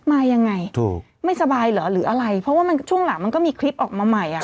มายังไงไม่สบายหรืออะไรเพราะว่าช่วงหลักมันก็มีคลิปออกมาใหม่